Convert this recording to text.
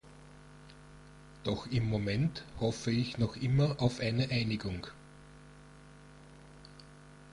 Doch im Moment hoffe ich noch immer auf eine Einigung.